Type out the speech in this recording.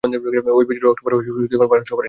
ঐ বছরের অক্টোবরে ভারত সফরে যান।